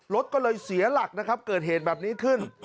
รถก็เลยเสียหลักนะครับเกิดเหตุแบบนี้ขึ้น